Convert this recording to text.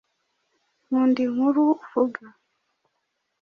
Nkunda inkuru uvuga.